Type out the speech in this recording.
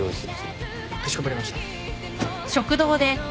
かしこまりました。